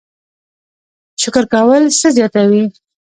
شکر کول څه زیاتوي؟